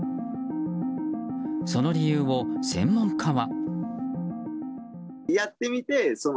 その理由を専門家は。